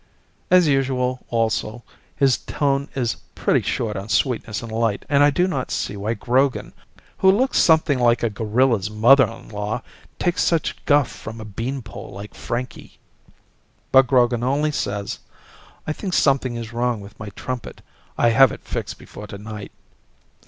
As usual also, his tone is pretty short on sweetness and light, and I do not see why Grogan, who looks something like a gorilla's mother in law, takes such guff from a beanpole like Frankie. But Grogan only says, "I think something is wrong with my trumpet. I have it fixed before tonight."